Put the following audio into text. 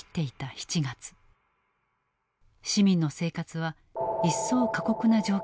市民の生活は一層過酷な状況となっていた。